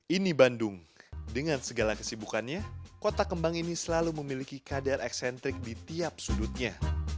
ini bandung dengan segala kesibukannya kota kembang ini selalu memiliki kadar eksentrik di tiap sudutnya